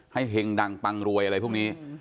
เห็งดังปังรวยอะไรพวกนี้